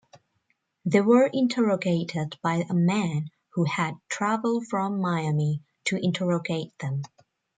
They were interrogated by a man who had travelled from Miami to interrogate them.